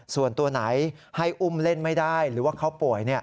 ส่วนตัวไหนให้อุ้มเล่นไม่ได้หรือว่าเขาป่วย